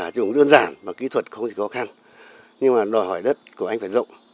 trồng đơn giản và kỹ thuật không chỉ có khăn nhưng mà đòi hỏi đất của anh phải rộng